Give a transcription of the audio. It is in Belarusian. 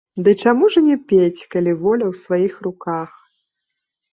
Ды чаму ж і не пець, калі воля ў сваіх руках.